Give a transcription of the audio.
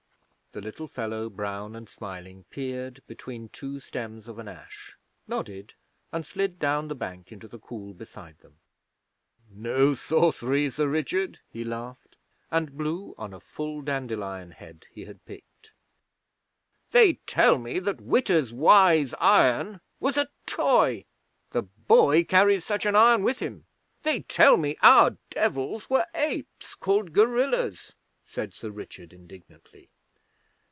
The little fellow, brown and smiling, peered between two stems of an ash, nodded, and slid down the bank into the cool beside them. 'No sorcery, Sir Richard?' he laughed, and blew on a full dandelion head he had picked. 'They tell me that Witta's Wise Iron was a toy. The boy carries such an iron with him. They tell me our Devils were apes, called gorillas!' said Sir Richard, indignantly.